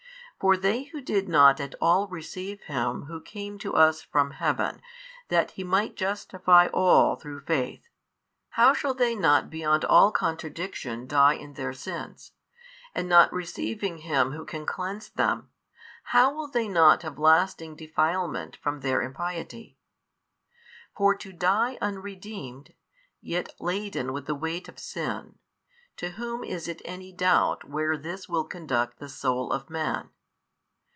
For they who did not at all receive Him Who came to us from Heaven that He might justify all through faith, how shall they not beyond all contradiction die in their sins, and not receiving Him Who can cleanse them, how will they not have lasting defilement from their impiety? For to die unredeemed, yet laden with the weight of sin, to whom is it any doubt where this will conduct the soul of man?